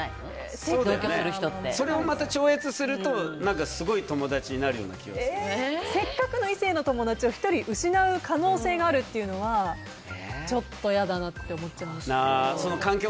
それを超越するとせっかくの異性の友達を１人失う可能性があるというのはちょっと嫌だなって思っちゃいます。